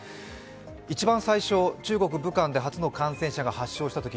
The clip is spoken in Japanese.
一番最初、中国武漢で初の感染者が発生したとき